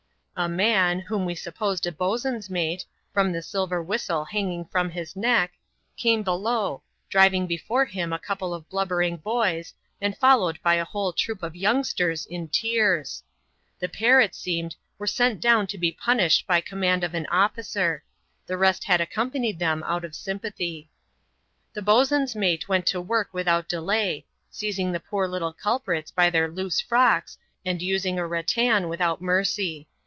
A man, whom we supposed a boatswain's mate, from the silver whistle hanging from his neck, came below, driving before him a couple of blubbering boys, and followed by a whole troop of youngsters in tears. The pair, it seemed, were sent down to be punished by command of an officer : the rest had accompanied them oat of sympathy. The boatswain's mate went to work without delay, seizing the poor little culprits by their loose frocks, and using a ratan without mercy.